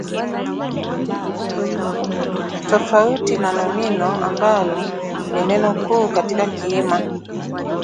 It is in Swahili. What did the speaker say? Tofauti na nomino ambalo ni neno kuu katika kiima